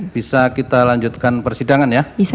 bisa kita lanjutkan persidangan ya